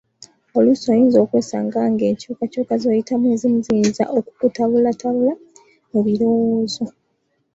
Oluusi oyinza okwesanga ng'enkyukakyuka z'oyitamu ezimu ziyinza okukutabulatabula mu birowoozo.